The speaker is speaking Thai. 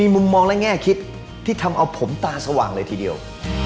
มุมมองและแง่คิดที่ทำเอาผมตาสว่างเลยทีเดียว